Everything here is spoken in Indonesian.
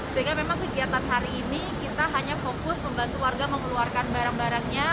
sehingga memang kegiatan hari ini kita hanya fokus membantu warga mengeluarkan barang barangnya